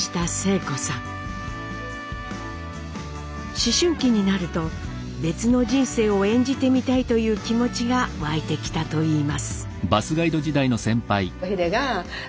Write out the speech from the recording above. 思春期になると別の人生を演じてみたいという気持ちが湧いてきたといいます。